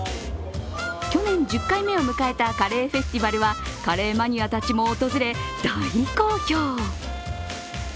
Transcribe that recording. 去年１０回目を迎えたカレーフェスティバルはカレーマニアたちも訪れ、大好評。